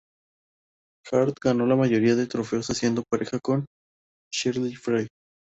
Hart ganó la mayoría de dichos Torneos haciendo pareja con Shirley Fry.